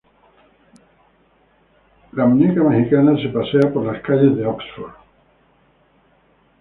The mexican dolly se pasea por las calles de oxford.